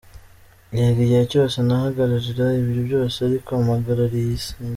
Yego igihe cyose nahagararira ibyo byose ariko mpagarariye n’isi.